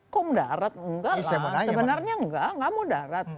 kok mudarat enggak lah sebenarnya enggak enggak mudarat